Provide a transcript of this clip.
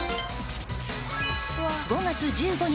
５月１５日